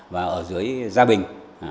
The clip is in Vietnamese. và ở dưới gia bình